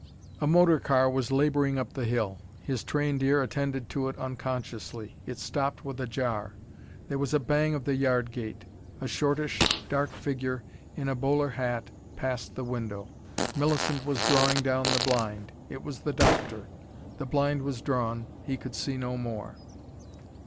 A motor car was labouring up the hill. His trained ear attended to it unconsciously. It stopped with a jar. There was a bang of the yard gate. A shortish dark figure in a bowler hat passed the window. Millicent was drawing down the blind. It was the doctor. The blind was drawn, he could see no more.